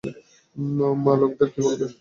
মা লোকেদের কী বলবে?